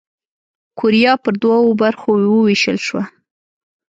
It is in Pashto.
کوریا پر دوو برخو ووېشل شوه.